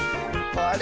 あれ？